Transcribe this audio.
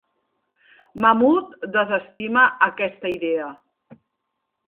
Mamoud desestima aquesta idea.